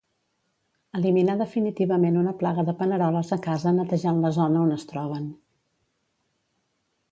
Eliminar definitivament una plaga de paneroles a casa netejant la zona on es troben